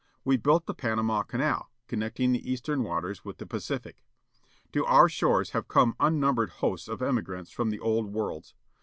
We built the Panama Canal, connecting the eastern waters with the Pacific. To our shores have come unnumbered hosts of emigrants from the old worlds.